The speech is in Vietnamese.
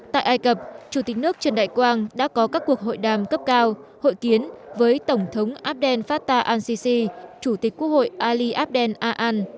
tại ai cập chủ tịch nước trần đại quang đã có các cuộc hội đàm cấp cao hội kiến với tổng thống abdel fattah al sisi chủ tịch quốc hội ali abdel aan